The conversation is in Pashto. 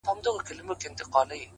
چپ سه چـــپ ســــه نور مــه ژاړه’